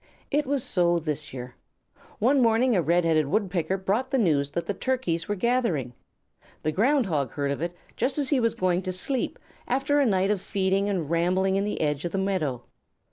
It was so this year. One morning a Red headed Woodpecker brought the news that the Turkeys were gathering. The Ground Hog heard of it just as he was going to sleep after a night of feeding and rambling in the edge of the meadow.